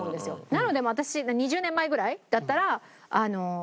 なので私２０年前ぐらいだったら。